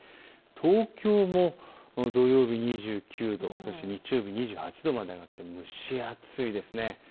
東京も土曜日２９度、日曜日２８度まで上がって蒸し暑いです。